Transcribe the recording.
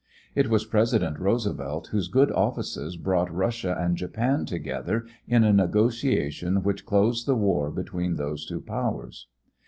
It was President Roosevelt whose good offices brought Russia and Japan together in a negotiation which closed the war between those two powers.